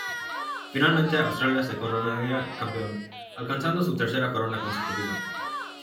Finalmente Australia se coronaría campeón, alcanzando su tercera corona consecutiva.